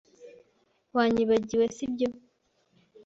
Wanyibagiwe, si byo?